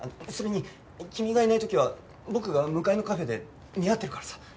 それに君がいない時は僕が向かいのカフェで見張ってるからさ。